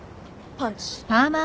パンチ。